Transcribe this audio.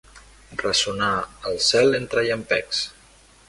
Ressonar al cel entre llampecs.